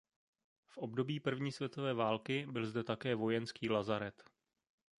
V období první světové války byl zde také vojenský lazaret.